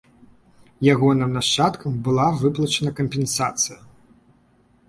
Ягоным нашчадкам была выплачана кампенсацыя.